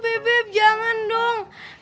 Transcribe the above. kok gitu beb jangan dong